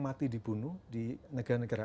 mati dibunuh di negara negara